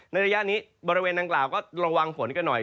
ระยะนี้บริเวณนางกล่าวก็ระวังฝนกันหน่อย